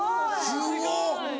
すごっ。